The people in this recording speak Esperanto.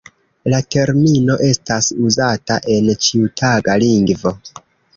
La termino estas uzata en ĉiutaga lingvo.